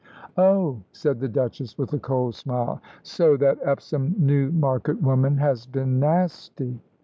"Oh," said the Duchess, with a cold smile; "so that Epsom Newmarket woman has been nasty."